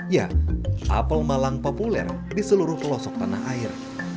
ya apel malang populer di seluruh pelosok tanah air